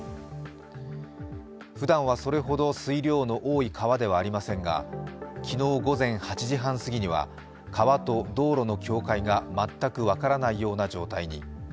ふだんはそれほど水量の多い川ではありませんが、昨日午前８時半すぎには、川と道路の境界が全く分からないような状態に。